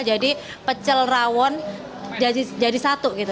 jadi pecel rawon jadi satu gitu